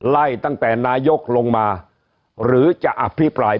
ไล่ตั้งแต่นายกลงมาหรือจะอภิปราย